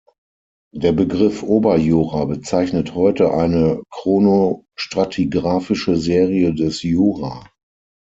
Der Begriff Oberjura bezeichnet heute eine chronostratigraphische Serie des Jura.